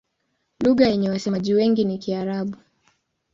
Lugha yenye wasemaji wengi ni Kiarabu.